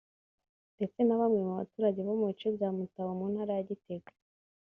ndetse na bamwe mu baturage bo mu bice bya Mutaho mu Ntara ya Gitega